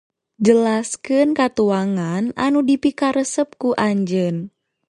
Jelaskeun katuangan anu dipikaresep ku anjeun